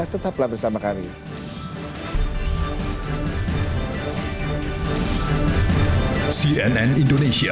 tetaplah bersama kami